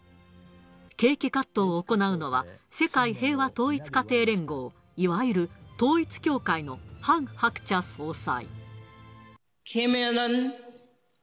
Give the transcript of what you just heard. ケーキカットを行うのは、世界平和統一家庭連合、いわゆる統一教会のハン・ハクチャ総裁。